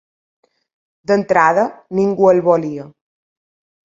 D'entrada, ningú no el volia.